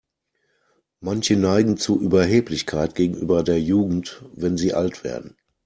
Manche neigen zu Überheblichkeit gegenüber der Jugend, wenn sie alt werden.